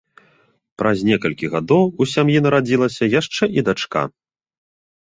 Праз некалькі гадоў у сям'і нарадзілася яшчэ і дачка.